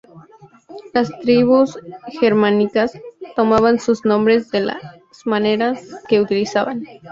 Las tribus germánicas tomaban sus nombres de las armas que utilizaban.